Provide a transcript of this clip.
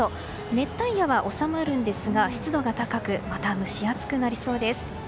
熱帯夜は収まるんですが湿度が高くまた蒸し暑くなりそうです。